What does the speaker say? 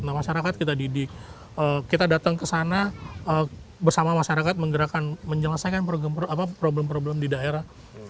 nah masyarakat kita didik kita datang ke sana bersama masyarakat menggerakkan menyelesaikan problem problem di daerah